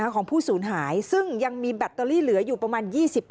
ของผู้สูญหายซึ่งยังมีแบตเตอรี่เหลืออยู่ประมาณ๒๐